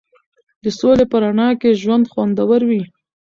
د سولې په رڼا کې ژوند خوندور وي.